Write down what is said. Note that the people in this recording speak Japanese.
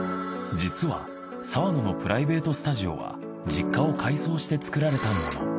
実は澤野のプライベートスタジオは実家を改装して作られたもの。